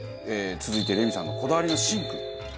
続いてレミさんのこだわりのシンク。